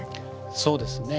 そうですね。